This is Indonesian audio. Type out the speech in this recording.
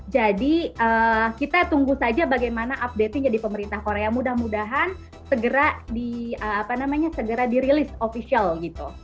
jadi kita tunggu saja bagaimana updatingnya di pemerintah korea mudah mudahan segera di release official gitu